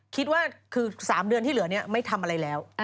คิดว่าคือ๓เดือนที่เหลือไม่ทำอะไรแล้ว